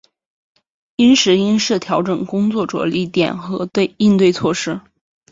因时因势调整工作着力点和应对举措